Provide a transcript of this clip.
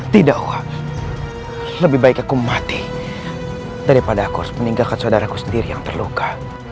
tidak wah lebih baik aku mati daripada aku harus meninggalkan saudaraku sendiri yang terluka